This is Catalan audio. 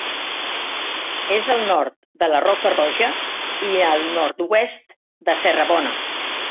És al nord de la Roca Roja i al nord-oest de Serrabona.